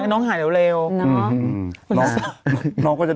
คุณแม่ของคุณแม่ของคุณแม่ของคุณแม่